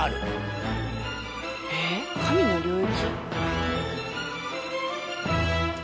えっ神の領域？